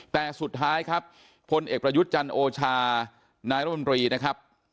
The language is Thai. แต่สุดท้ายครับพลเอกประยุทธ์จันทร์โอชานายรมนตรีนะครับ